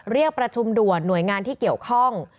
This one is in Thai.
เรียกประชุมด่วนหน่วยงานที่เกี่ยวข้อง